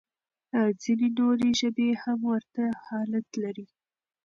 ځينې نورې ژبې هم ورته حالت لري.